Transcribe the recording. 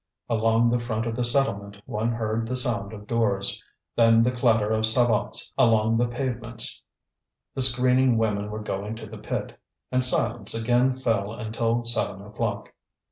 Along the front of the settlement one heard the sound of doors, then the clatter of sabots along the pavements; the screening women were going to the pit. And silence again fell until seven o'clock.